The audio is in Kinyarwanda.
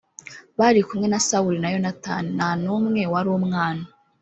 bari kumwe na sawuli na yonatani nta n umwe wari umwana